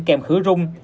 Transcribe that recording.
kèm khứ rung